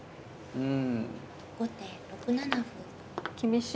うん。